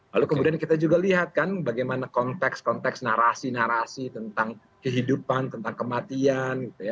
lalu kemudian kita juga lihat kan bagaimana konteks konteks narasi narasi tentang kehidupan tentang kematian